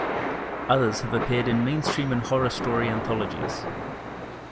Others have appeared in mainstream and horror story anthologies.